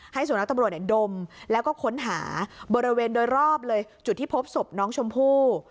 สุนัขตำรวจดมแล้วก็ค้นหาบริเวณโดยรอบเลยจุดที่พบศพน้องชมพู่